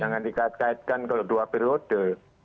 jangan dikaitkan kalau dua periode